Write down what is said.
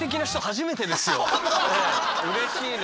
うれしいな。